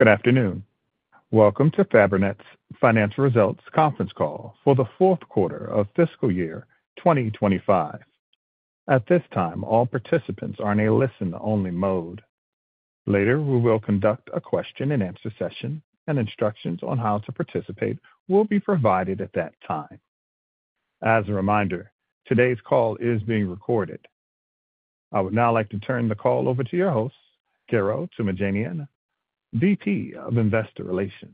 Good afternoon. Welcome to Fabrinet's Financial Results Conference Call for the Fourth Quarter of Fiscal Year 2025. At this time, all participants are in a listen-only mode. Later, we will conduct a question-and-answer session, and instructions on how to participate will be provided at that time. As a reminder, today's call is being recorded. I would now like to turn the call over to your host, Garo Toomajanian, VP of Investor Relations.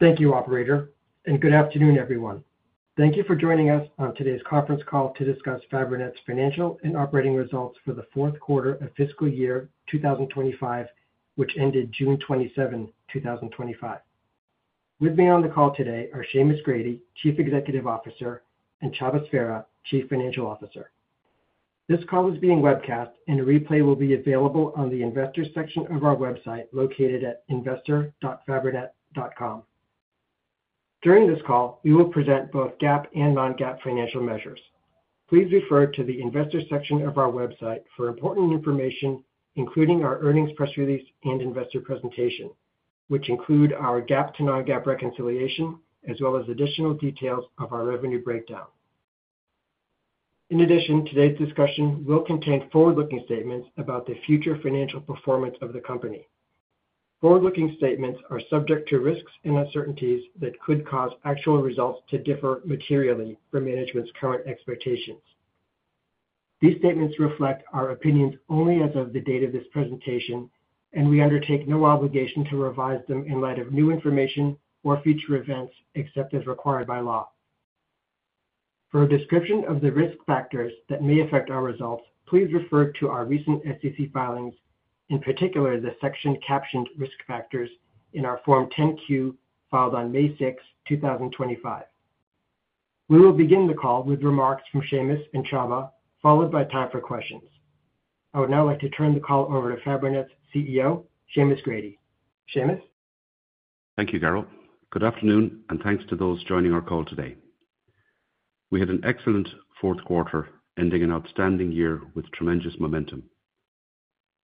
Thank you, Operator, and good afternoon, everyone. Thank you for joining us on today's conference call to discuss Fabrinet's financial and operating results for the fourth quarter of fiscal year 2025, which ended June 27th, 2025. With me on the call today are Seamus Grady, Chief Executive Officer, and Csaba Sverha, Chief Financial Officer. This call is being webcast, and a replay will be available on the Investors section of our website located at investor.fabrinet.com. During this call, we will present both GAAP and non-GAAP financial measures. Please refer to the Investors section of our website for important information, including our earnings press release and investor presentation, which include our GAAP to non-GAAP reconciliation, as well as additional details of our revenue breakdown. In addition, today's discussion will contain forward-looking statements about the future financial performance of the company. Forward-looking statements are subject to risks and uncertainties that could cause actual results to differ materially from management's current expectations. These statements reflect our opinions only as of the date of this presentation, and we undertake no obligation to revise them in light of new information or future events, except as required by law. For a description of the risk factors that may affect our results, please refer to our recent SEC filings, in particular the section captioned "Risk Factors" in our Form 10-Q filed on May 6, 2025. We will begin the call with remarks from Seamus and Csaba, followed by time for questions. I would now like to turn the call over to Fabrinet's CEO, Seamus Grady. Seamus? Thank you, Garo. Good afternoon, and thanks to those joining our call today. We had an excellent fourth quarter, ending an outstanding year with tremendous momentum.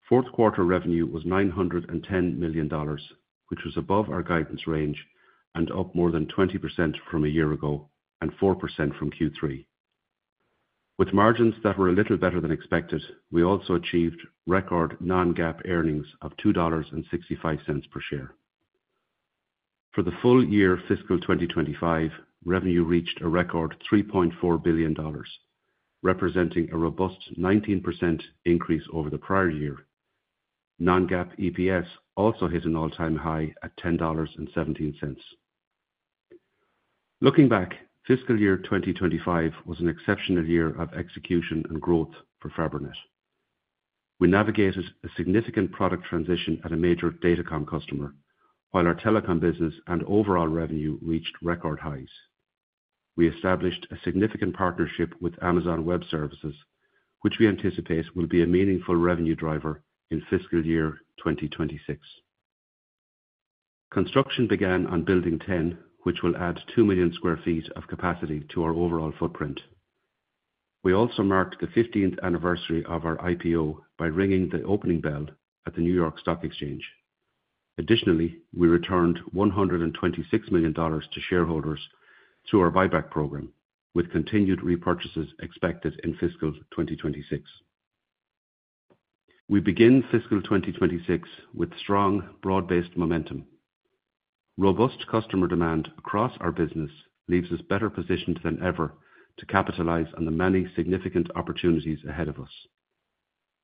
Fourth quarter revenue was $910 million, which was above our guidance range and up more than 20% from a year ago and 4% from Q3. With margins that were a little better than expected, we also achieved record non-GAAP earnings of $2.65 per share. For the full year fiscal 2025, revenue reached a record $3.4 billion, representing a robust 19% increase over the prior year. Non-GAAP EPS also hit an all-time high at $10.17. Looking back, fiscal year 2025 was an exceptional year of execution and growth for Fabrinet. We navigated a significant product transition at a major DataCom customer, while our Telecom business and overall revenue reached record highs. We established a significant partnership with Amazon Web Services, which we anticipate will be a meaningful revenue driver in fiscal year 2026. Construction began on Building 10, which will add 2 million square feet of capacity to our overall footprint. We also marked the 15th anniversary of our IPO by ringing the opening bell at the New York Stock Exchange. Additionally, we returned $126 million to shareholders through our buyback program, with continued repurchases expected in fiscal 2026. We begin fiscal 2026 with strong, broad-based momentum. Robust customer demand across our business leaves us better positioned than ever to capitalize on the many significant opportunities ahead of us.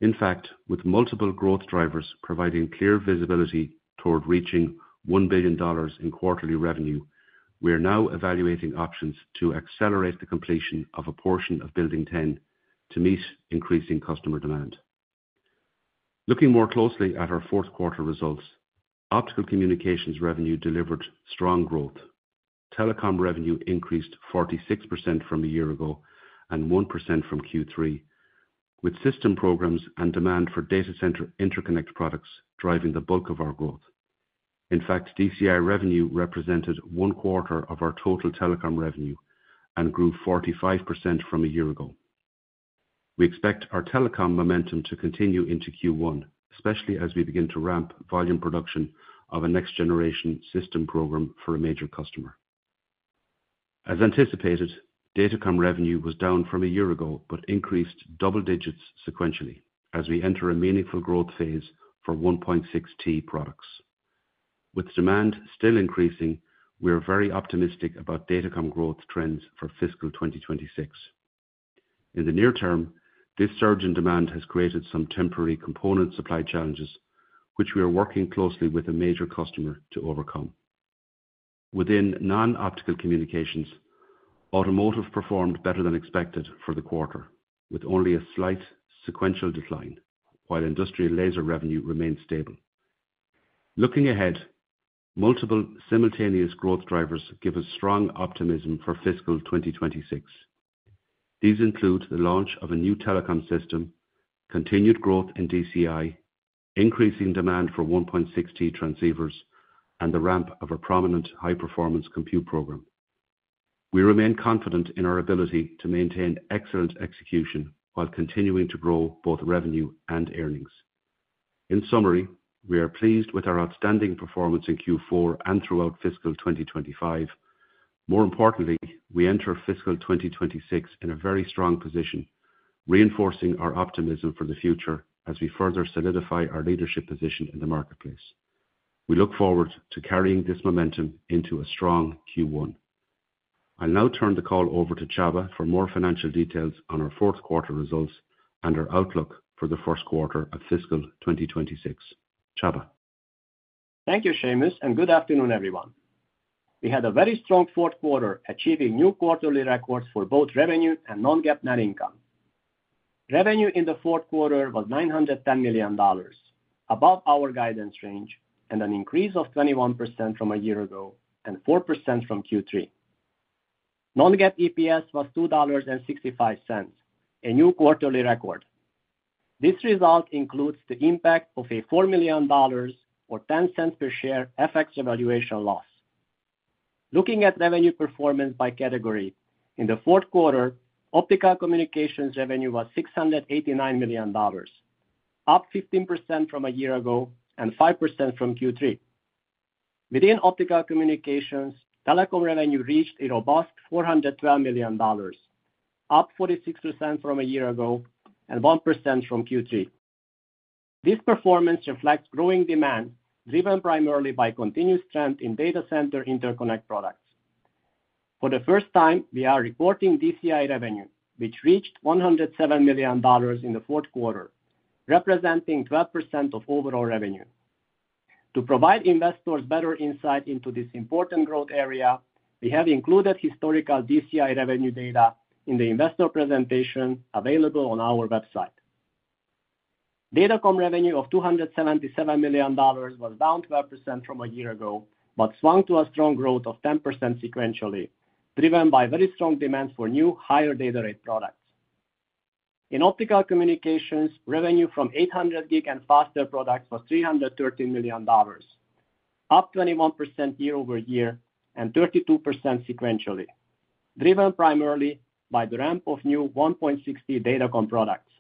In fact, with multiple growth drivers providing clear visibility toward reaching $1 billion in quarterly revenue, we are now evaluating options to accelerate the completion of a portion of Building 10 to meet increasing customer demand. Looking more closely at our fourth quarter results, Optical Communications revenue delivered strong growth. Telecom revenue increased 46% from a year ago and 1% from Q3, with system programs and demand for Data Center Interconnect products driving the bulk of our growth. In fact, DCI revenue represented 1/4 of our total Telecom revenue and grew 45% from a year ago. We expect our Telecom momentum to continue into Q1, especially as we begin to ramp volume production of a next-generation system program for a major customer. As anticipated, DataCom revenue was down from a year ago but increased double digits sequentially as we enter a meaningful growth phase for 1.6 Tb products. With demand still increasing, we are very optimistic about DataCom growth trends for fiscal 2026. In the near term, this surge in demand has created some temporary component supply challenges, which we are working closely with a major customer to overcome. Within Non-Optical Communications, Automotive performed better than expected for the quarter, with only a slight sequential decline, while Industrial Laser revenue remained stable. Looking ahead, multiple simultaneous growth drivers give us strong optimism for fiscal 2026. These include the launch of a new Telecom system, continued growth in DCI, increasing demand for 1.6 Tb transceivers, and the ramp of a prominent high-performance compute program. We remain confident in our ability to maintain excellent execution while continuing to grow both revenue and earnings. In summary, we are pleased with our outstanding performance in Q4 and throughout fiscal 2025. More importantly, we enter fiscal 2026 in a very strong position, reinforcing our optimism for the future as we further solidify our leadership position in the marketplace. We look forward to carrying this momentum into a strong Q1. I'll now turn the call over to Csaba for more financial details on our fourth quarter results and our outlook for the first quarter of fiscal 2026. Csaba. Thank you, Seamus, and good afternoon, everyone. We had a very strong fourth quarter, achieving new quarterly records for both revenue and non-GAAP net income. Revenue in the fourth quarter was $910 million, above our guidance range, and an increase of 21% from a year ago and 4% from Q3. Non-GAAP EPS was $2.65, a new quarterly record. This result includes the impact of a $4 million or $0.10 per share FX revaluation loss. Looking at revenue performance by category, in the fourth quarter, Optical Communications revenue was $689 million, up 15% from a year ago and 5% from Q3. Within Optical Communications, Telecom revenue reached a robust $412 million, up 46% from a year ago and 1% from Q3. This performance reflects growing demand driven primarily by continued strength in Data Center Interconnect products. For the first time, we are reporting DCI revenue, which reached $107 million in the fourth quarter, representing 12% of overall revenue. To provide investors better insight into this important growth area, we have included historical DCI revenue data in the investor presentation available on our website. DataCom revenue of $277 million was down 12% from a year ago, but swung to a strong growth of 10% sequentially, driven by very strong demand for new, higher data rate products. In Optical Communications, revenue from 800 Gb and faster products was $313 million, up 21% year-over-year and 32% sequentially, driven primarily by the ramp of new 1.6 Tb DataCom products.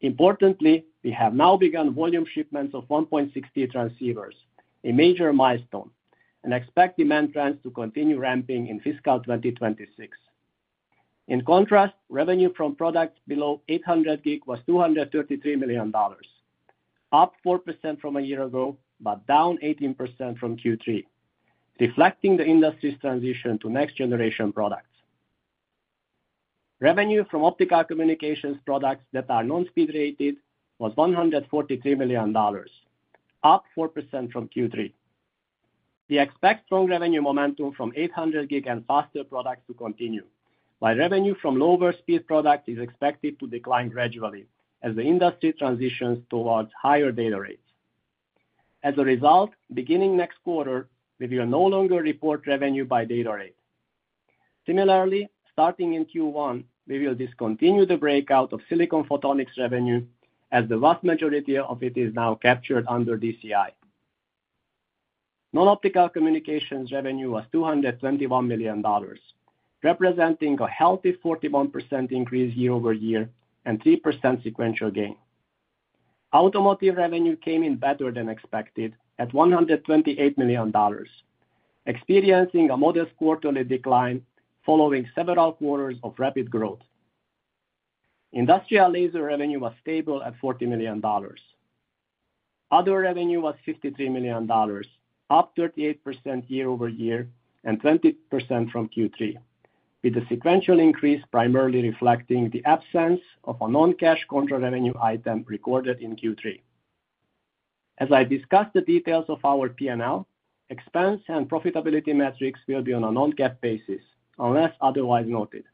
Importantly, we have now begun volume shipments of 1.6 Tb transceivers, a major milestone, and expect demand trends to continue ramping in fiscal 2026. In contrast, revenue from products below 800 Gb was $233 million, up 4% from a year ago, but down 18% from Q3, reflecting the industry's transition to next-generation products. Revenue from Optical Communications products that are non-speed rated was $143 million, up 4% from Q3. We expect strong revenue momentum from 800 Gb and faster products to continue, while revenue from lower speed products is expected to decline gradually as the industry transitions towards higher data rates. As a result, beginning next quarter, we will no longer report revenue by data rate. Similarly, starting in Q1, we will discontinue the breakout of silicon photonics revenue as the vast majority of it is now captured under DCI. Non-Optical Communications revenue was $221 million, representing a healthy 41% increase year-over-year and 3% sequential gain. Automotive revenue came in better than expected at $128 million, experiencing a modest quarterly decline following several quarters of rapid growth. Industrial Laser revenue was stable at $40 million. Other revenue was $53 million, up 38% year-over-year and 20% from Q3, with a sequential increase primarily reflecting the absence of a non-cash contra-revenue item recorded in Q3. As I discussed the details of our P&L, expense and profitability metrics will be on a non-GAAP basis unless otherwise noted.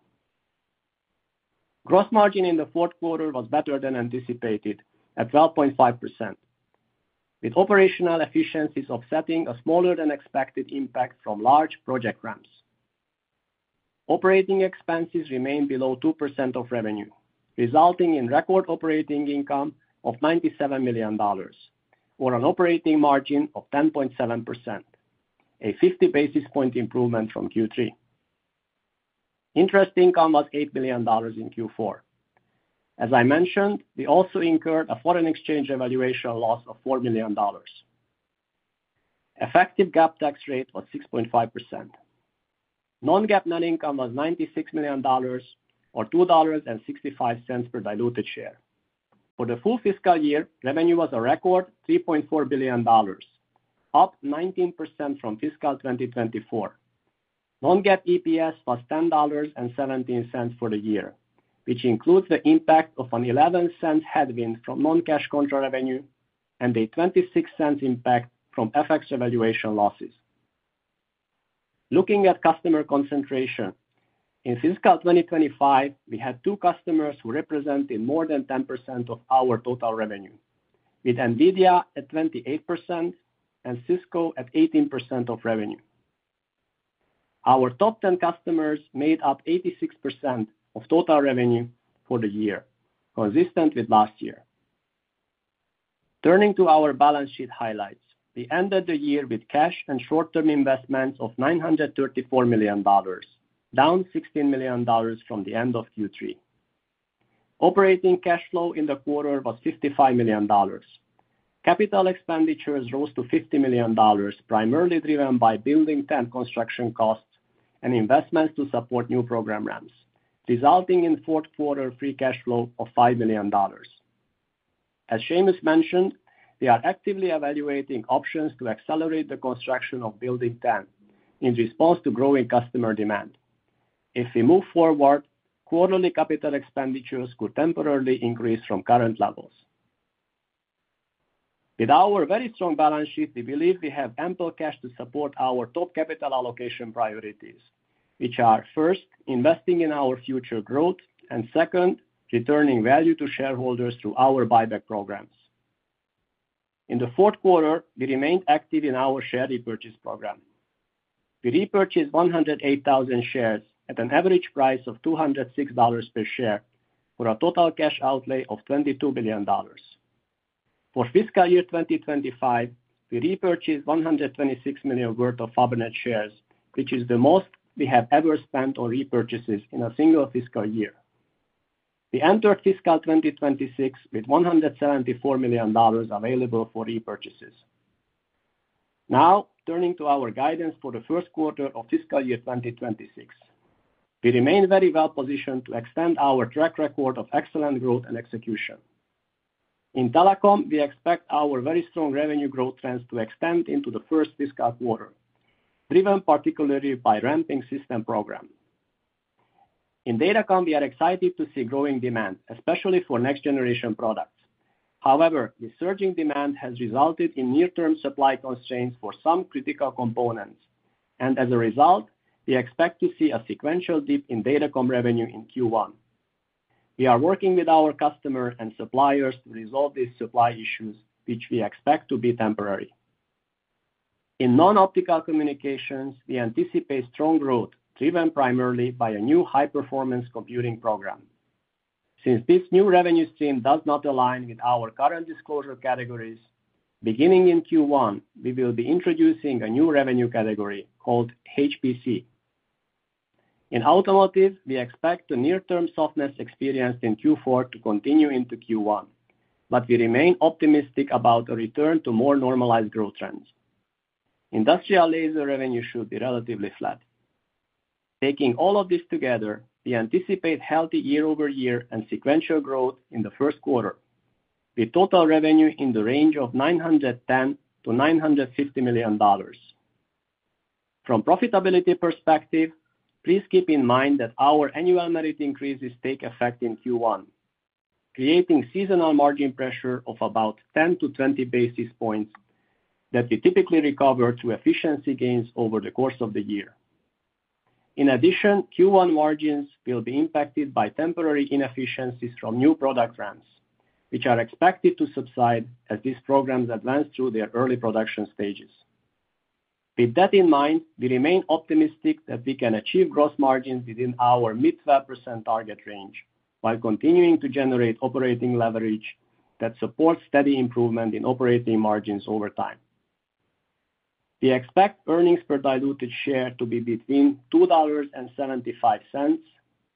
Gross margin in the fourth quarter was better than anticipated at 12.5%, with operational efficiencies offsetting a smaller than expected impact from large project ramps. Operating expenses remain below 2% of revenue, resulting in record operating income of $97 million, or an operating margin of 10.7%, a 50 basis point improvement from Q3. Interest income was $8 million in Q4. As I mentioned, we also incurred a foreign exchange revaluation loss of $4 million. Effective GAAP tax rate was 6.5%. Non-GAAP net income was $96 million, or $2.65 per diluted share. For the full fiscal year, revenue was a record $3.4 billion, up 19% from fiscal 2024. Non-GAAP EPS was $10.17 for the year, which includes the impact of an $0.11 headwind from non-cash contra-revenue and a $0.26 impact from FX revaluation losses. Looking at customer concentration, in fiscal 2025, we had two customers who represented more than 10% of our total revenue, with Nvidia at 28% and Cisco at 18% of revenue. Our top 10 customers made up 86% of total revenue for the year, consistent with last year. Turning to our balance sheet highlights, we ended the year with cash and short-term investments of $934 million, down $16 million from the end of Q3. Operating cash flow in the quarter was $55 million. Capital expenditures rose to $50 million, primarily driven by Building 10 construction costs and investments to support new program ramps, resulting in fourth quarter free cash flow of $5 million. As Seamus mentioned, we are actively evaluating options to accelerate the construction of Building 10 in response to growing customer demand. If we move forward, quarterly capital expenditures could temporarily increase from current levels. With our very strong balance sheet, we believe we have ample cash to support our top capital allocation priorities, which are, first, investing in our future growth and, second, returning value to shareholders through our buyback programs. In the fourth quarter, we remained active in our share repurchase program. We repurchased 108,000 shares at an average price of $206 per share for a total cash outlay of $22 million. For fiscal year 2025, we repurchased $126 million worth of Fabrinet shares, which is the most we have ever spent on repurchases in a single fiscal year. We entered fiscal 2026 with $174 million available for repurchases. Now, turning to our guidance for the first quarter of fiscal year 2026, we remain very well positioned to extend our track record of excellent growth and execution. In Telecom, we expect our very strong revenue growth trends to extend into the first fiscal quarter, driven particularly by ramping system programs. In DataCom, we are excited to see growing demand, especially for next-generation products. However, the surging demand has resulted in near-term supply constraints for some critical components, and as a result, we expect to see a sequential dip in DataCom revenue in Q1. We are working with our customers and suppliers to resolve these supply issues, which we expect to be temporary. In Non-Optical Communications, we anticipate strong growth, driven primarily by a new high-performance compute program. Since this new revenue stream does not align with our current disclosure categories, beginning in Q1, we will be introducing a new revenue category called HPC. In Automotive, we expect the near-term softness experienced in Q4 to continue into Q1, but we remain optimistic about a return to more normalized growth trends. Industrial Laser revenue should be relatively flat. Taking all of this together, we anticipate healthy year-over-year and sequential growth in the first quarter, with total revenue in the range of $910 million-$950 million. From a profitability perspective, please keep in mind that our annual merit increases take effect in Q1, creating seasonal margin pressure of about 10% to 20 basis points that we typically recover through efficiency gains over the course of the year. In addition, Q1 margins will be impacted by temporary inefficiencies from new product ramps, which are expected to subside as these programs advance through their early production stages. With that in mind, we remain optimistic that we can achieve gross margins within our mid-12% target range while continuing to generate operating leverage that supports steady improvement in operating margins over time. We expect earnings per diluted share to be between $2.75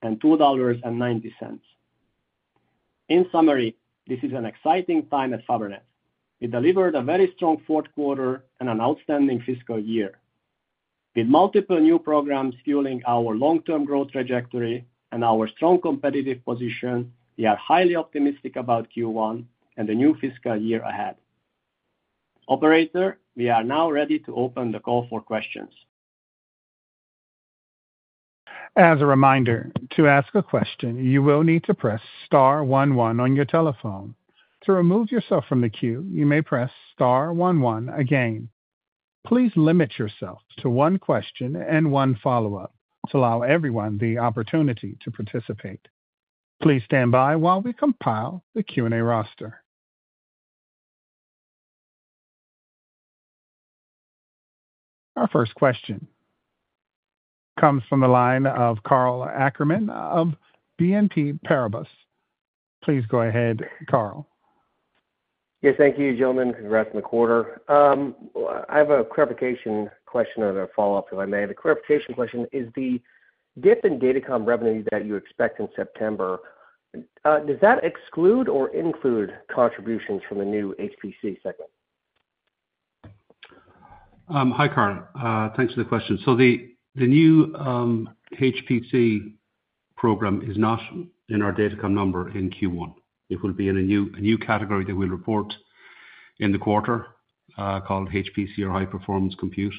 and $2.90. In summary, this is an exciting time at Fabrinet. We delivered a very strong fourth quarter and an outstanding fiscal year. With multiple new programs fueling our long-term growth trajectory and our strong competitive position, we are highly optimistic about Q1 and the new fiscal year ahead. Operator, we are now ready to open the call for questions. As a reminder, to ask a question, you will need to press star one one on your telephone. To remove yourself from the queue, you may press star one one again. Please limit yourself to one question and one follow-up to allow everyone the opportunity to participate. Please stand by while we compile the Q&A roster. Our first question comes from the line of Karl Ackerman of BNP Paribas. Please go ahead, Karl. Yes, thank you, gentlemen. Congrats on the quarter. I have a clarification question and a follow-up, if I may. The clarification question is the dip in DataCom revenue that you expect in September, does that exclude or include contributions from the new HPC segment? Hi, Karl. Thanks for the question. The new high-performance compute program is not in our DataCom number in Q1. It will be in a new category that we report in the quarter called HPC or high-performance compute.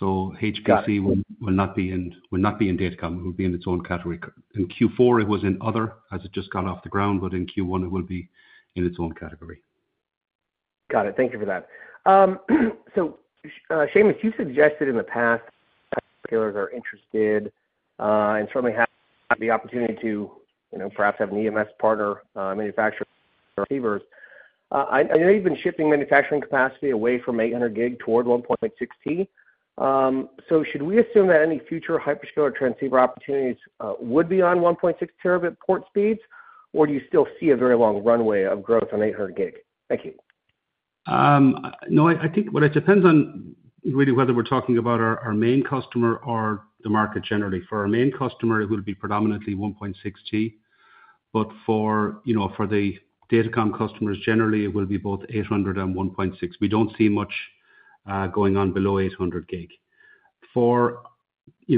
HPC will not be in DataCom; it will be in its own category. In Q4, it was in other, as it just got off the ground, but in Q1, it will be in its own category. Got it. Thank you for that. Seamus, you suggested in the past, I feel like are interested and certainly have the opportunity to perhaps have an EMS partner manufacture transceivers. I know you've been shipping manufacturing capacity away from 800 Gb toward 1.6 Tb. Should we assume that any future hyperscaler transceiver opportunities would be on 1.6 Tb port speeds, or do you still see a very long runway of growth on 800 Gb? Thank you. No, I think it depends on really whether we're talking about our main customer or the market generally. For our main customer, it would be predominantly 1.6 Tb, but for the DataCom customers generally, it will be both 800 Gb and 1.6 Tb. We don't see much going on below 800 Gb. For the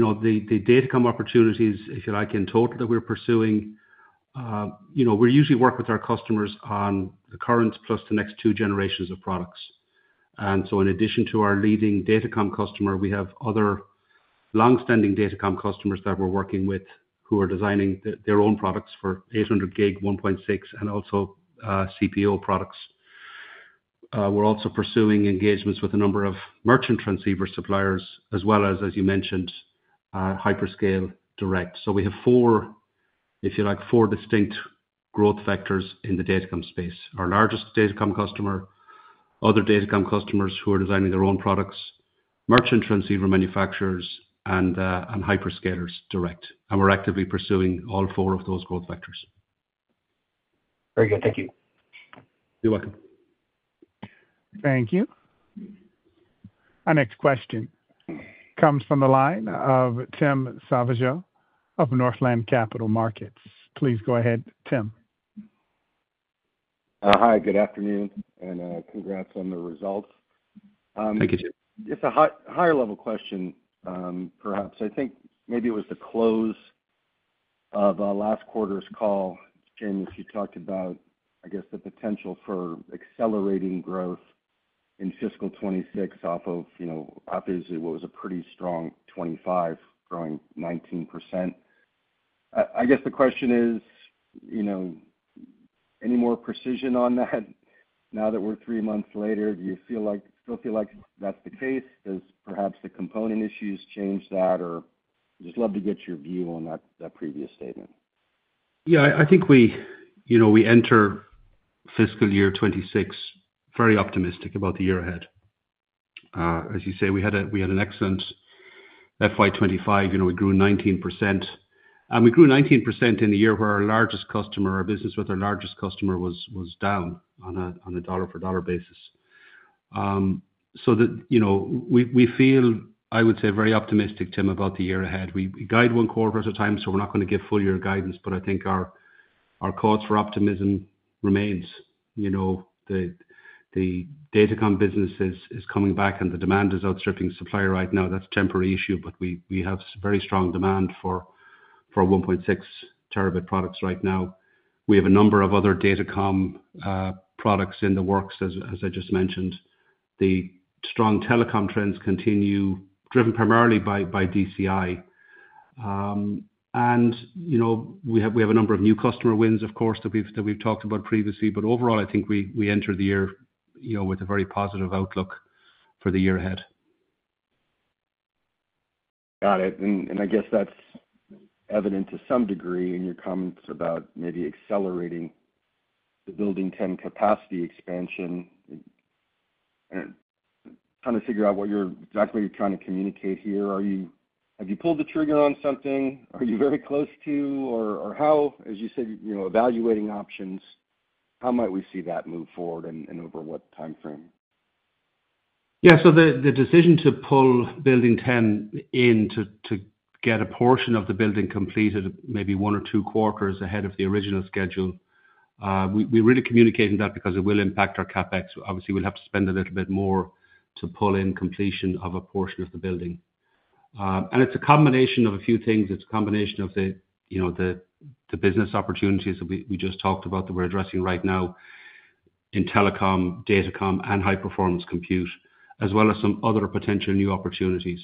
DataCom opportunities, if you like, in total that we're pursuing, we usually work with our customers on the current plus the next two generations of products. In addition to our leading DataCom customer, we have other longstanding DataCom customers that we're working with who are designing their own products for 800 Gb, 1.6 Tb, and also CPO products. We're also pursuing engagements with a number of merchant transceiver suppliers, as well as, as you mentioned, hyperscale direct. We have four, if you like, four distinct growth vectors in the DataCom space: our largest DataCom customer, other DataCom customers who are designing their own products, merchant transceiver manufacturers, and hyperscalers direct. We're actively pursuing all four of those growth vectors. Very good. Thank you. You're welcome. Thank you. Our next question comes from the line of Tim Savageaux of Northland Capital Markets. Please go ahead, Tim. Hi. Good afternoon, and congrats on the results. Thank you, Tim. It's a higher-level question, perhaps. I think maybe it was the close of last quarter's call. Seamus, you talked about, I guess, the potential for accelerating growth in fiscal 2026 off of, you know, obviously, what was a pretty strong 2025 growing 19%. I guess the question is, you know, any more precision on that? Now that we're three months later, do you still feel like that's the case? Does perhaps the component issues change that? I'd just love to get your view on that previous statement. Yeah, I think we enter fiscal year 2026 very optimistic about the year ahead. As you say, we had an excellent FY2025. We grew 19%. We grew 19% in the year where our largest customer, our business with our largest customer, was down on a dollar-for-dollar basis. That, I would say, makes us very optimistic, Tim, about the year ahead. We guide one quarter at a time, so we're not going to give full-year guidance, but I think our cause for optimism remains. The DataCom business is coming back and the demand is outstripping supply right now. That's a temporary issue, but we have very strong demand for 1.6 terabit products right now. We have a number of other DataCom products in the works, as I just mentioned. The strong Telecom trends continue, driven primarily by DCI. We have a number of new customer wins, of course, that we've talked about previously, but overall, I think we entered the year with a very positive outlook for the year ahead. Got it. I guess that's evident to some degree in your comments about maybe accelerating the Building 10 capacity expansion. I'm trying to figure out what you're exactly trying to communicate here. Have you pulled the trigger on something? Are you very close to, or as you said, you know, evaluating options, how might we see that move forward and over what timeframe? Yeah, so the decision to pull Building 10 in to get a portion of the building completed maybe one or two quarters ahead of the original schedule, we really communicated that because it will impact our CapEx. Obviously, we'll have to spend a little bit more to pull in completion of a portion of the building. It's a combination of a few things. It's a combination of the business opportunities that we just talked about that we're addressing right now in Telecom, DataCom, and high-performance compute, as well as some other potential new opportunities.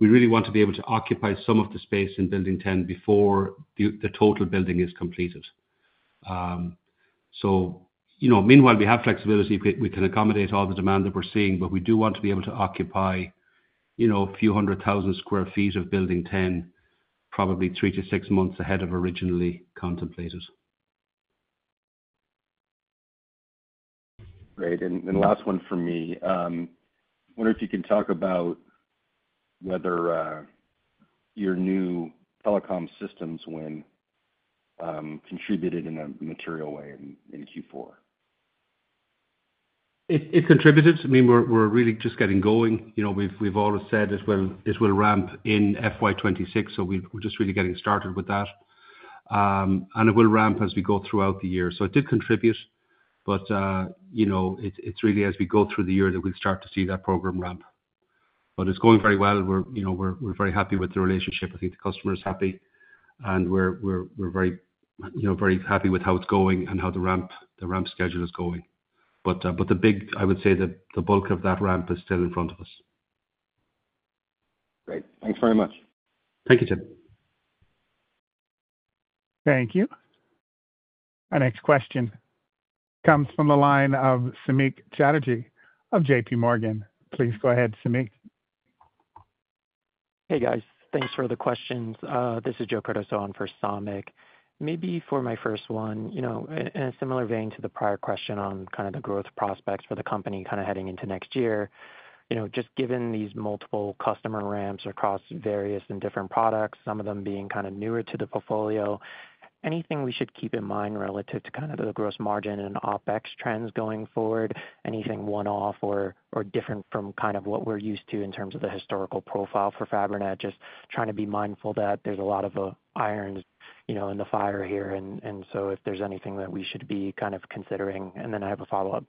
We really want to be able to occupy some of the space in Building 10 before the total building is completed. Meanwhile, we have flexibility. We can accommodate all the demand that we're seeing, but we do want to be able to occupy a few hundred thousand square feet of Building 10 probably 3 months-6 months ahead of originally contemplated. Great. The last one from me. I wonder if you can talk about whether your new Telecom system win contributed in a material way in Q4. It contributed. I mean, we're really just getting going. We've always said it will ramp in FY 2026, so we're just really getting started with that. It will ramp as we go throughout the year. It did contribute, but it's really as we go through the year that we start to see that program ramp. It's going very well. We're very happy with the relationship. I think the customer is happy, and we're very happy with how it's going and how the ramp schedule is going. The bulk of that ramp is still in front of us. Great. Thanks very much. Thank you, Tim. Thank you. Our next question comes from the line of Samik Chatterjee of JPMorgan. Please go ahead, Samik. Hey, guys. Thanks for the questions. This is Joe Curtis on for Samik. Maybe for my first one, in a similar vein to the prior question on kind of the growth prospects for the company heading into next year, just given these multiple customer ramps across various and different products, some of them being kind of newer to the portfolio, anything we should keep in mind relative to the gross margin and OpEx trends going forward? Anything one-off or different from what we're used to in terms of the historical profile for Fabrinet? Just trying to be mindful that there's a lot of iron in the fire here. If there's anything that we should be considering, I have a follow-up.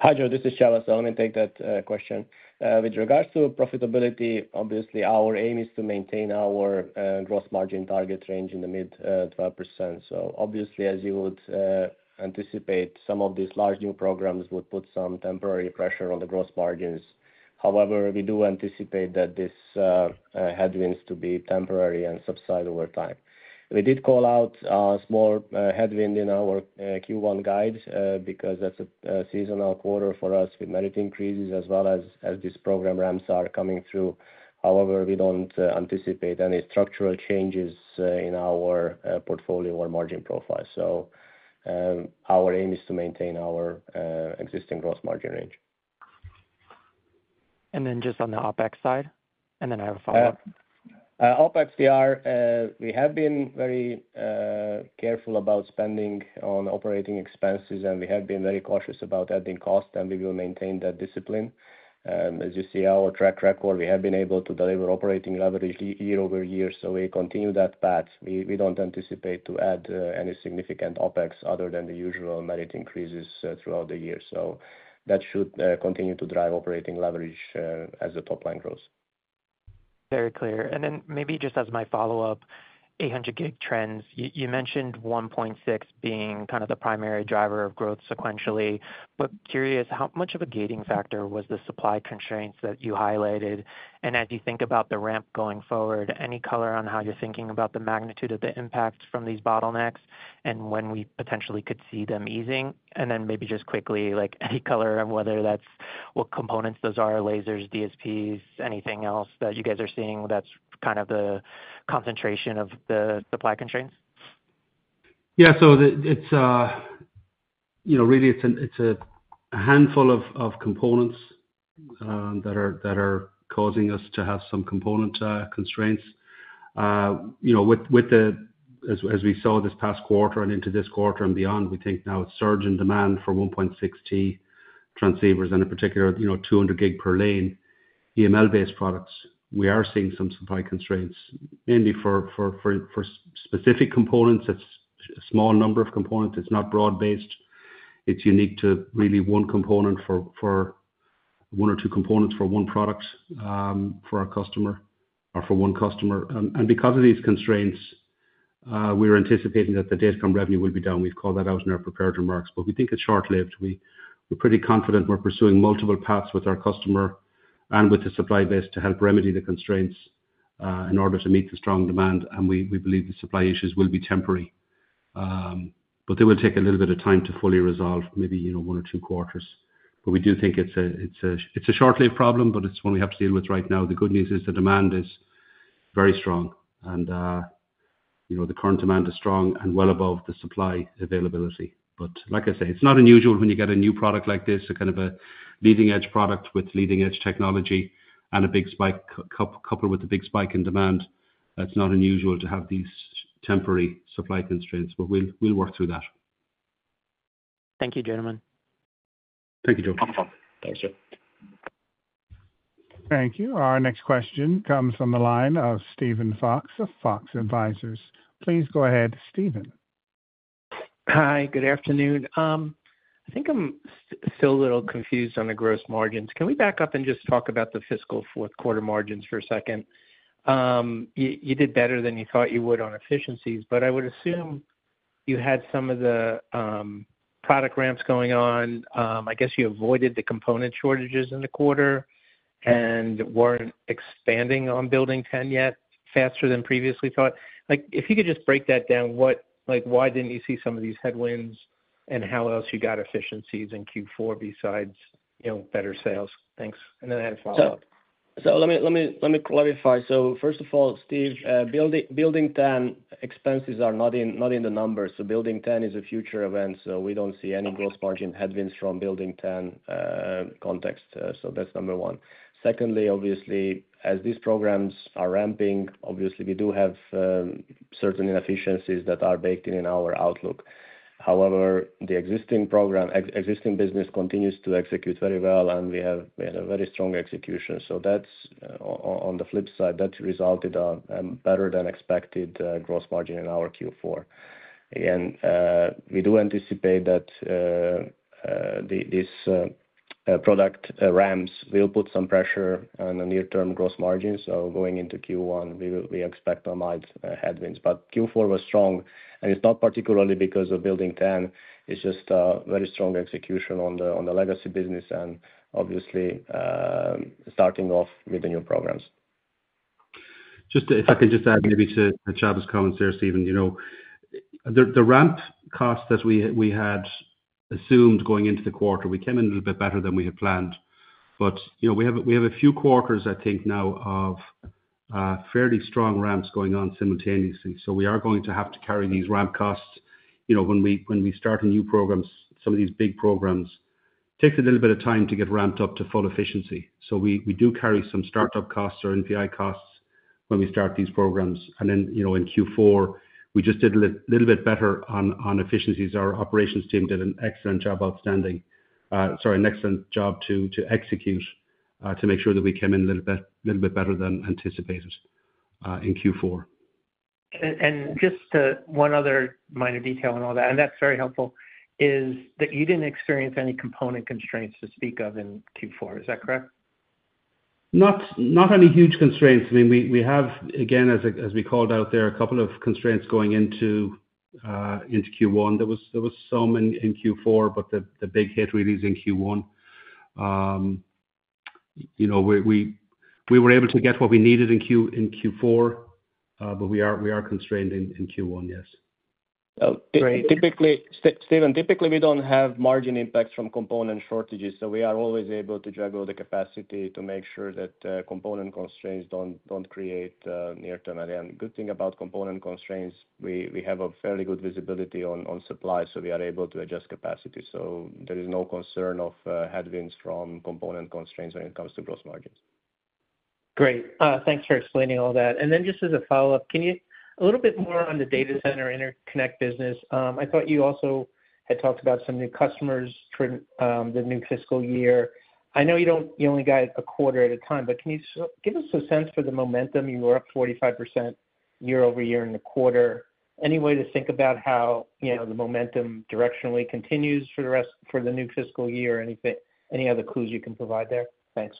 Hi, Joe. This is Csaba Sverha. I take that question. With regards to profitability, obviously, our aim is to maintain our gross margin target range in the mid-12%. As you would anticipate, some of these large new programs would put some temporary pressure on the gross margins. However, we do anticipate that these headwinds to be temporary and subside over time. We did call out a small headwind in our Q1 guide because that's a seasonal quarter for us with merit increases as well as these program ramps are coming through. However, we don't anticipate any structural changes in our portfolio or margin profile. Our aim is to maintain our existing gross margin range. On the OpEx side, I have a follow-up. OpEx, we have been very careful about spending on operating expenses, and we have been very cautious about adding cost, and we will maintain that discipline. As you see, our track record, we have been able to deliver operating leverage year-over-year, we continue that path. We don't anticipate to add any significant OpEx other than the usual merit increases throughout the year. That should continue to drive operating leverage as the top line grows. Very clear. Maybe just as my follow-up, 800 Gb trends, you mentioned 1.6 being kind of the primary driver of growth sequentially. Curious, how much of a gating factor was the supply constraints that you highlighted? As you think about the ramp going forward, any color on how you're thinking about the magnitude of the impacts from these bottlenecks and when we potentially could see them easing? Maybe just quickly, any color of whether that's what components those are, lasers, DSPs, anything else that you guys are seeing that's kind of the concentration of the supply constraints? Yeah, it's really a handful of components that are causing us to have some component constraints. As we saw this past quarter and into this quarter and beyond, we think now it's a surge in demand for 1.6 Tb transceivers and in particular, 200 Gb per lane EML-based products. We are seeing some supply constraints, mainly for specific components. It's a small number of components. It's not broad-based. It's unique to really one component or one or two components for one product for our customer or for one customer. Because of these constraints, we're anticipating that the DataCom revenue will be down. We've called that out in our prepared remarks. We think it's short-lived. We're pretty confident we're pursuing multiple paths with our customer and with the supply base to help remedy the constraints in order to meet the strong demand. We believe the supply issues will be temporary. They will take a little bit of time to fully resolve, maybe one or two quarters. We do think it's a short-lived problem, but it's one we have to deal with right now. The good news is the demand is very strong. The current demand is strong and well above the supply availability. It's not unusual when you get a new product like this, a kind of a leading-edge product with leading-edge technology and a big spike, coupled with a big spike in demand. That's not unusual to have these temporary supply constraints. We'll work through that. Thank you, gentlemen. Thank you, Joe. Thank you, sir. Thank you. Our next question comes from the line of Steven Fox of Fox Advisors. Please go ahead, Steven. Hi, good afternoon. I think I'm still a little confused on the gross margins. Can we back up and just talk about the fiscal fourth quarter margins for a second? You did better than you thought you would on efficiencies, but I would assume you had some of the product ramps going on. I guess you avoided the component shortages in the quarter and weren't expanding on Building 10 yet faster than previously thought. If you could just break that down, why didn't you see some of these headwinds and how else you got efficiencies in Q4 besides, you know, better sales? Thanks. I had a follow-up. Let me clarify. First of all, Steve, Building 10 expenses are not in the numbers. Building 10 is a future event. We do not see any gross margin headwinds from Building 10 context. That's number one. Secondly, obviously, as these programs are ramping, we do have certain inefficiencies that are baked in our outlook. However, the existing program, existing business continues to execute very well, and we had a very strong execution. On the flip side, that resulted in a better-than-expected gross margin in our Q4. Again, we do anticipate that these product ramps will put some pressure on the near-term gross margins. Going into Q1, we expect mild headwinds. Q4 was strong, and it's not particularly because of Building 10. It's just a very strong execution on the legacy business and, obviously, starting off with the new programs. If I can just add maybe to Csaba's comments there, Steven, the ramp costs that we had assumed going into the quarter, we came in a little bit better than we had planned. We have a few quarters, I think, now of fairly strong ramps going on simultaneously. We are going to have to carry these ramp costs. When we start a new program, some of these big programs, it takes a little bit of time to get ramped up to full efficiency. We do carry some startup costs or NPI costs when we start these programs. In Q4, we just did a little bit better on efficiencies. Our operations team did an excellent job, sorry, an excellent job to execute to make sure that we came in a little bit better than anticipated in Q4. Just one other minor detail on all that, and that's very helpful, is that you didn't experience any component constraints to speak of in Q4. Is that correct? Not any huge constraints. We have, again, as we called out there, a couple of constraints going into Q1. There was some in Q4, but the big hit really is in Q1. We were able to get what we needed in Q4, but we are constrained in Q1, yes. Typically, Steven, we don't have margin impacts from component shortages. We are always able to juggle the capacity to make sure that component constraints don't create near-term impact. The good thing about component constraints is we have a fairly good visibility on supply, so we are able to adjust capacity. There is no concern of headwinds from component constraints when it comes to gross margins. Great. Thanks for explaining all that. Just as a follow-up, can you a little bit more on the Data Center Interconnect business? I thought you also had talked about some new customers for the new fiscal year. I know you only got a quarter at a time, but can you give us a sense for the momentum? You were up 45% year-over-year in the quarter. Any way to think about how the momentum directionally continues for the new fiscal year? Any other clues you can provide there? Thanks.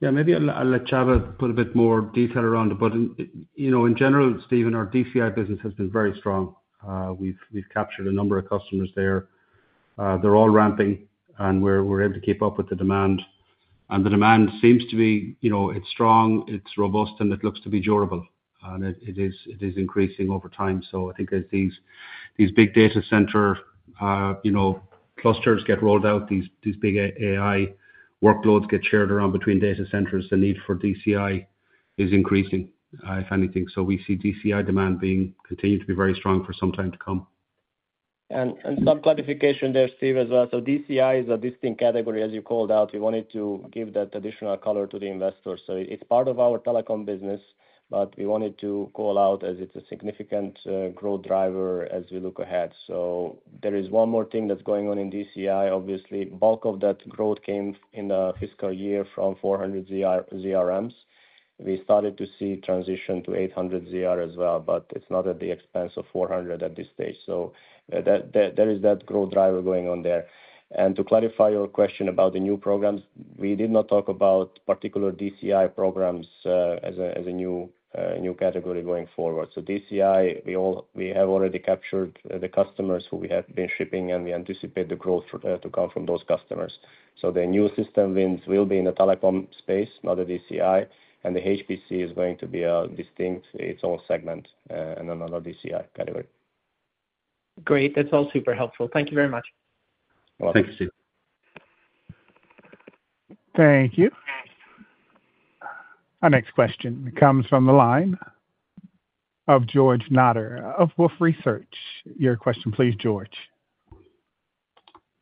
Yeah, maybe I'll let Csaba put a bit more detail around it. In general, Steven, our DCI business has been very strong. We've captured a number of customers there. They're all ramping, and we're able to keep up with the demand. The demand seems to be strong, it's robust, and it looks to be durable. It is increasing over time. I think as these big data center clusters get rolled out, these big AI workloads get shared around between data centers, the need for DCI is increasing, if anything. We see DCI demand continue to be very strong for some time to come. Some clarification there, Steve, as well. DCI is a distinct category, as you called out. We wanted to give that additional color to the investors. It's part of our Telecom business, but we wanted to call it out as it's a significant growth driver as you look ahead. There is one more thing that's going on in DCI. Obviously, the bulk of that growth came in the fiscal year from 400ZR products. We started to see transition to 800 gig products as well, but it's not at the expense of 400ZR at this stage. There is that growth driver going on there. To clarify your question about the new programs, we did not talk about particular DCI programs as a new category going forward. DCI, we have already captured the customers who we have been shipping, and we anticipate the growth to come from those customers. The new system wins will be in the Telecom space, not the DCI. The high-performance compute (HPC) program is going to be a distinct, its own segment and another DCI category. Great. That's all super helpful. Thank you very much. Thank you, Steve. Thank you. Our next question comes from the line of George Nader of Wolfe Research. Your question, please, George.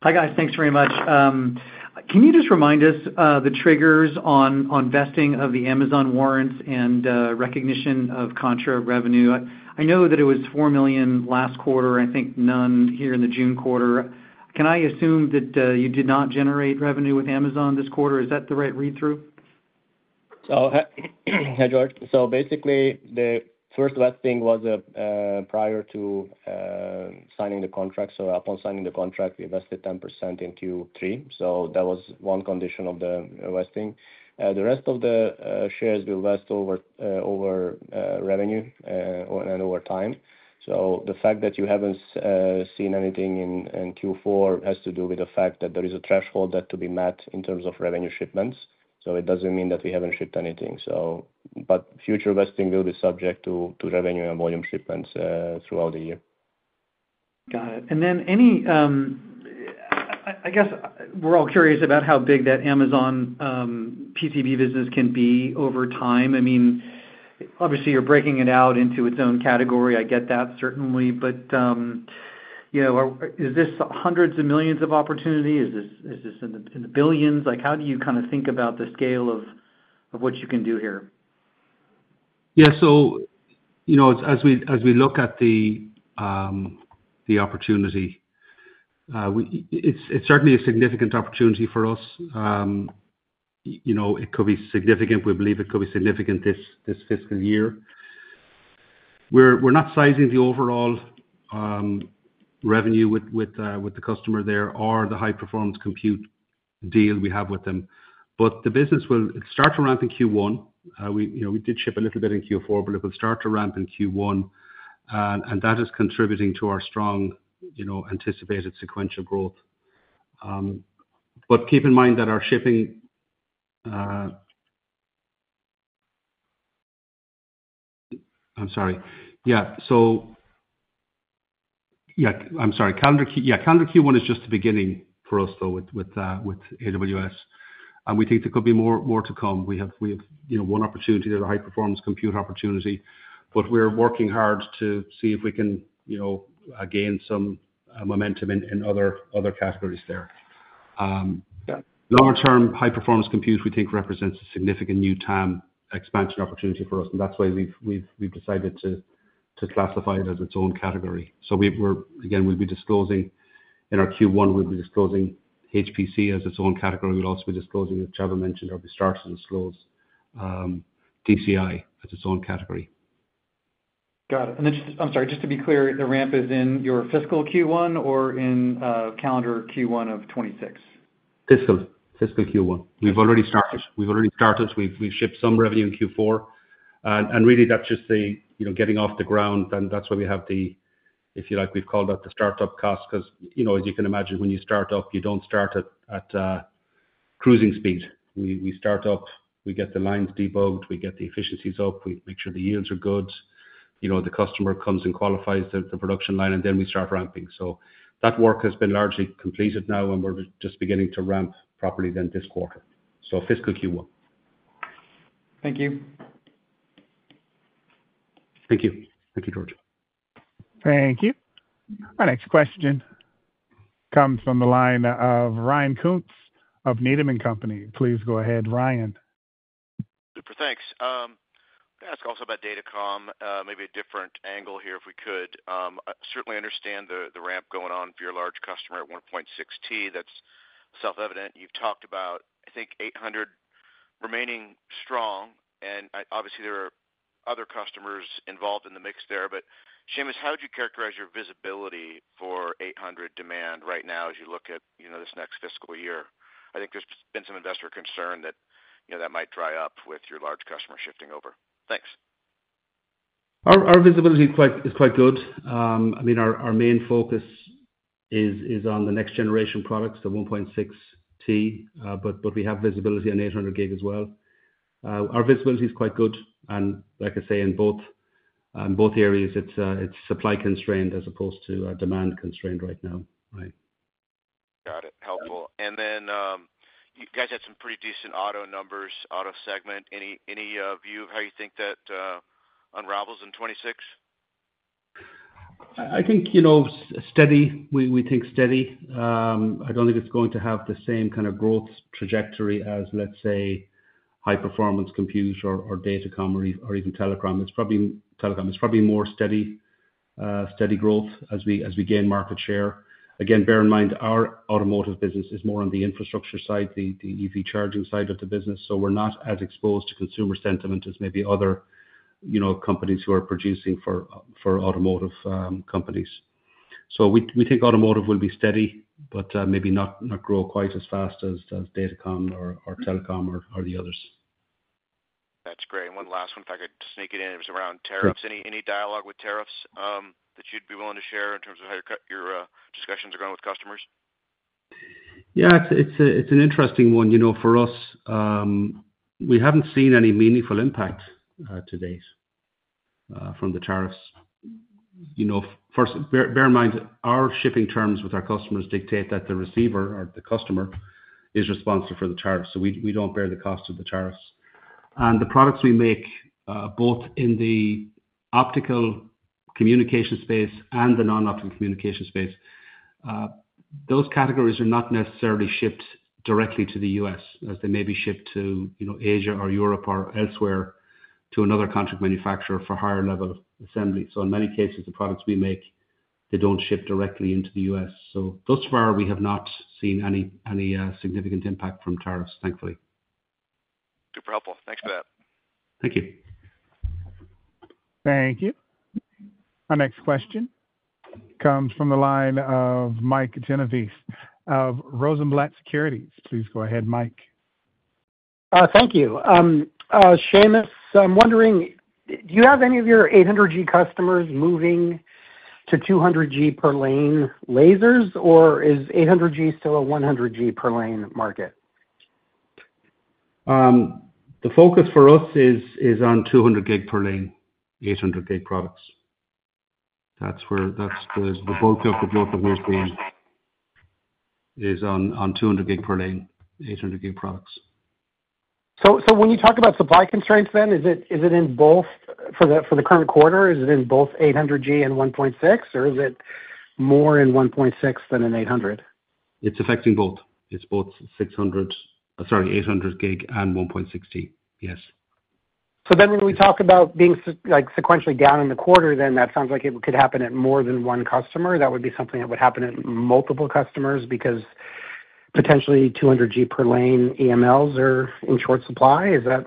Hi, guys. Thanks very much. Can you just remind us the triggers on vesting of the Amazon warrants and recognition of contra revenue? I know that it was $4 million last quarter. I think none here in the June quarter. Can I assume that you did not generate revenue with Amazon this quarter? Is that the right read-through? Hi, George. Basically, the first vesting was prior to signing the contract. Upon signing the contract, we vested 10% in Q3. That was one condition of the vesting. The rest of the shares will vest over revenue and over time. The fact that you haven't seen anything in Q4 has to do with the fact that there is a threshold to be met in terms of revenue shipments. It doesn't mean that we haven't shipped anything. Future vesting will be subject to revenue and volume shipments throughout the year. Got it. Any, I guess we're all curious about how big that Amazon business can be over time. Obviously, you're breaking it out into its own category. I get that certainly. Is this hundreds of millions of opportunities? Is this in the billions? How do you kind of think about the scale of what you can do here? As we look at the opportunity, it's certainly a significant opportunity for us. It could be significant. We believe it could be significant this fiscal year. We're not sizing the overall revenue with the customer there or the high-performance compute deal we have with them. The business will start to ramp in Q1. We did ship a little bit in Q4, but it will start to ramp in Q1. That is contributing to our strong anticipated sequential growth. Keep in mind that our shipping—I'm sorry. Calendar Q1 is just the beginning for us, though, with Amazon Web Services. We think there could be more to come. We have one opportunity there, the high-performance compute opportunity. We're working hard to see if we can gain some momentum in other categories there. Longer-term, high-performance compute represents a significant new TAM expansion opportunity for us. That's why we've decided to classify it as its own category. We'll be disclosing in our Q1, we'll be disclosing HPC as its own category. We'll also be disclosing, as Csaba Sverha mentioned, or we'll be starting to disclose Data Center Interconnect (DCI) products as its own category. Got it. I'm sorry, just to be clear, the ramp is in your fiscal Q1 or in calendar Q1 of 2026? Fiscal Q1. We've already started. We've already started. We've shipped some revenue in Q4. That's just the, you know, getting off the ground. That's why we have the, if you like, we've called that the startup cost, because, you know, as you can imagine, when you start up, you don't start at cruising speed. We start up, we get the lines debugged, we get the efficiencies up, we make sure the yields are good. The customer comes and qualifies the production line, and then we start ramping. That work has been largely completed now, and we're just beginning to ramp properly this quarter. Fiscal Q1. Thank you. Thank you. Thank you, George. Thank you. Our next question comes from the line of Ryan Koontz of Needham & Company. Please go ahead, Ryan. Super, thanks. I'm going to ask also about DataCom, maybe a different angle here if we could. Certainly understand the ramp going on for your large customer at 1.6 Tb. That's self-evident. You've talked about, I think, 800 remaining strong. Obviously, there are other customers involved in the mix there. Seamus, how would you characterize your visibility for 800 demand right now as you look at, you know, this next fiscal year? I think there's been some investor concern that, you know, that might dry up with your large customer shifting over. Thanks. Our visibility is quite good. I mean, our main focus is on the next-generation products, the 1.6 Tb, but we have visibility on 800 Gb as well. Our visibility is quite good. Like I say, in both areas, it's supply constrained as opposed to demand constrained right now. Got it. Helpful. You guys had some pretty decent auto numbers, auto segment. Any view of how you think that unravels in 2026? I think, you know, steady. We think steady. I don't think it's going to have the same kind of growth trajectory as, let's say, high-performance compute or DataCom or even Telecom. It's probably more steady growth as we gain market share. Again, bear in mind, our Automotive business is more on the infrastructure side, the EV charging side of the business. We're not as exposed to consumer sentiment as maybe other companies who are producing for Automotive companies. We think Automotive will be steady, but maybe not grow quite as fast as DataCom or Telecom or the others. That's great. One last one, if I could sneak it in, it was around tariffs. Any dialogue with tariffs that you'd be willing to share in terms of how your discussions are going with customers? Yeah, it's an interesting one. For us, we haven't seen any meaningful impact to date from the tariffs. First, bear in mind, our shipping terms with our customers dictate that the receiver or the customer is responsible for the tariffs. We don't bear the cost of the tariffs. The products we make, both in the Optical Communications space and the Non-Optical Communications space, those categories are not necessarily shipped directly to the U.S., as they may be shipped to Asia or Europe or elsewhere to another contract manufacturer for higher-level assemblies. In many cases, the products we make don't ship directly into the U.S. Thus far, we have not seen any significant impact from tariffs, thankfully. Super helpful. Thanks for that. Thank you. Thank you. Our next question comes from the line of Mike Genovese of Rosenblatt Securities. Please go ahead, Mike. Thank you. Seamus, I'm wondering, do you have any of your 800 Gb customers moving to 200 Gb per lane lasers, or is 800 Gb still a 100 Gb per lane market? The focus for us is on 200 Gb per lane, 800 Gb products. That's where the bulk of the growth is, on 200 Gb per lane, 800 Gb products. When you talk about supply constraints, is it in both for the current quarter? Is it in both 800 Gb products and 1.6 Tb products, or is it more in 1.6 Tb products than in 800 Gb products? It's affecting both. It's both 800 Gb and 1.6 Tb, yes. When we talk about being sequentially down in the quarter, that sounds like it could happen at more than one customer. That would be something that would happen at multiple customers because potentially 200 Gb per lane EMLs are in short supply. Is that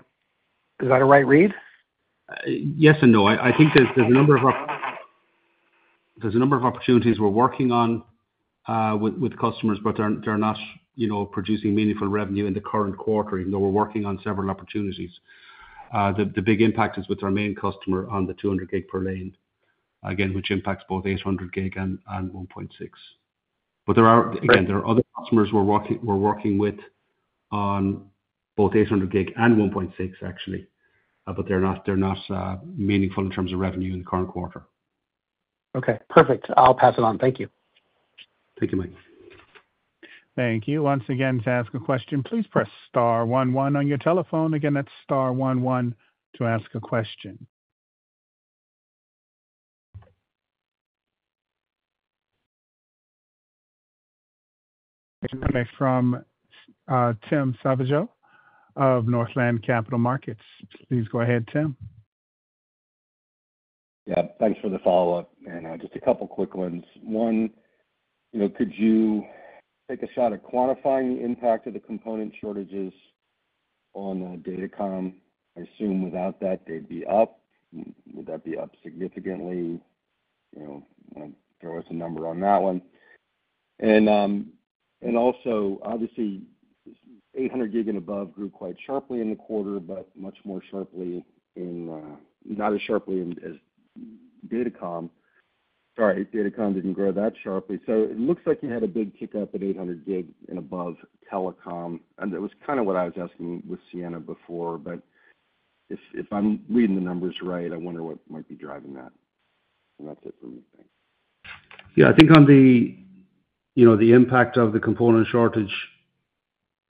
a right read? Yes and no. I think there's a number of opportunities we're working on with customers, but they're not producing meaningful revenue in the current quarter, even though we're working on several opportunities. The big impact is with our main customer on the 200 Gb per lane, which impacts both 800 Gb and 1.6. There are other customers we're working with on both 800 Gb and 1.6, actually, but they're not meaningful in terms of revenue in the current quarter. Okay. Perfect. I'll pass it on. Thank you. Thank you, Mike. Thank you. Once again, to ask a question, please press star one one on your telephone. Again, that's star one one to ask a question. We are now from Tim Savageaux of Northland Capital Markets. Please go ahead, Tim. Yeah, thanks for the follow-up. Just a couple of quick ones. One, you know, could you take a shot at quantifying the impact of the component shortages on DataCom? I assume without that, they'd be up. Would that be up significantly? I don't know if there was a number on that one. Also, obviously, 800 Gb and above grew quite sharply in the quarter, but not as sharply as DataCom. Sorry, DataCom didn't grow that sharply. It looks like you had a big kickup in 800 Gb and above Telecom. It was kind of what I was asking with Sienna before. If I'm reading the numbers right, I wonder what might be driving that. That's it for me. Yeah, I think on the impact of the component shortage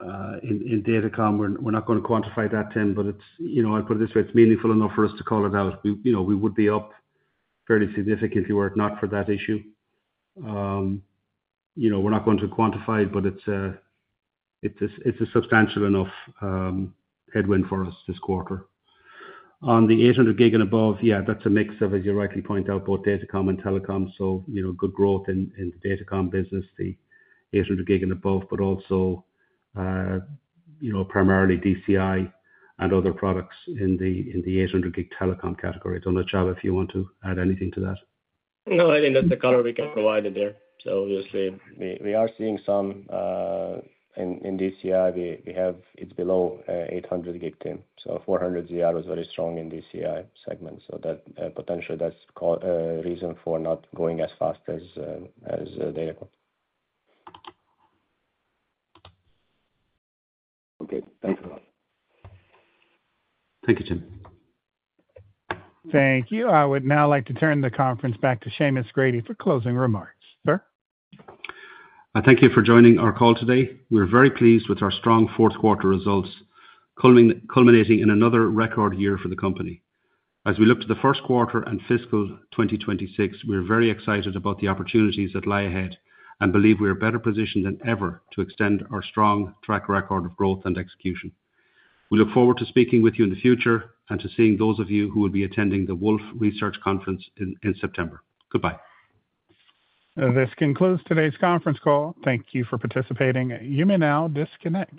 in DataCom, we're not going to quantify that, Tim, but it's, I'll put it this way. It's meaningful enough for us to call it out. We would be up fairly significantly were it not for that issue. We're not going to quantify it, but it's a substantial enough headwind for us this quarter. On the 800 Gb and above, that's a mix of, as you rightly point out, both DataCom and Telecom. Good growth in the DataCom business, the 800 Gb and above, but also primarily DCI and other products in the 800 Gb Telecom category. It's on Csaba if you want to add anything to that. No, I think that's the color we can provide in there. Obviously, we are seeing some in Data Center Interconnect products. It's below 800 Gb, Tim. 400ZR was very strong in the Data Center Interconnect segment. Potentially, that's a reason for not going as fast as DataCom. Okay, thanks a lot. Thank you, Tim. Thank you. I would now like to turn the conference back to Seamus Grady for closing remarks, sir. I thank you for joining our call today. We're very pleased with our strong fourth quarter results, culminating in another record year for the company. As we look to the first quarter and fiscal 2026, we're very excited about the opportunities that lie ahead and believe we are better positioned than ever to extend our strong track record of growth and execution. We look forward to speaking with you in the future and to seeing those of you who will be attending the Wolf Research Conference in September. Goodbye. This concludes today's conference call. Thank you for participating. You may now disconnect.